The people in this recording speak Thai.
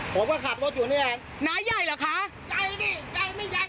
ผมก็ขาดรถอยู่นี่ไงน้ำใหญ่หรอค่ะใหญ่ดิใหญ่ไม่ใหญ่ได้ก็แล้วกัน